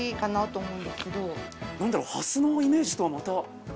なんだろう蓮のイメージとはまた。